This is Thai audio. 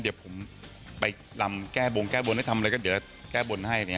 เดี๋ยวผมไปลำแก้บงแก้บนให้ทำอะไรก็เดี๋ยวแก้บนให้